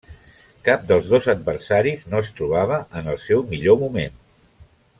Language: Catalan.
Cap dels dos adversaris no es trobava en el seu millor moment.